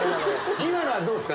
今のはどうですか？